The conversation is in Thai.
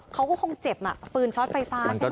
เขาก็คงเจ็บอ่ะปืนช็อตไฟฟ้าใช่ไหม